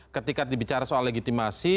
ketika dibicara soal legitimasi